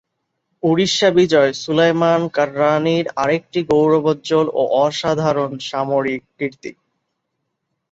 উড়িষ্যা বিজয় সুলায়মান কররানীর আরেকটি গৌরবোজ্জ্বল ও অসাধারণ সামরিক কীর্তি।